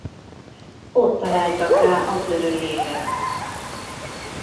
Ott találtak rá a pörölyére.